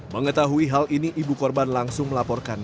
mengetahui hal ini ibu korban langsung melaporkan